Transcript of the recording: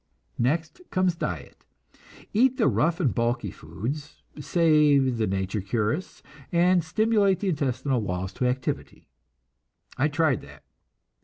Next comes diet. Eat the rough and bulky foods, say the nature curists, and stimulate the intestinal walls to activity. I tried that.